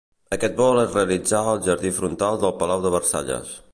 Aquest vol es realitzà al jardí frontal del Palau de Versalles.